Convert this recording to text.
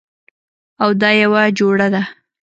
او دا یوه جوړه ده